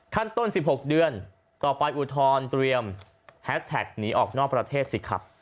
ขั้นต้น๑๖เดือนต่อไปอุทธรณ์เตรียมแฮสแท็กหนีออกนอกประเทศสิครับ